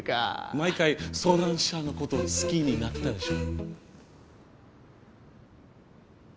毎回相談者のこと好きになってたでしょ？